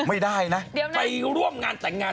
ไม่ได้นะเดี๋ยวนะไปร่วมงานแต่งงาน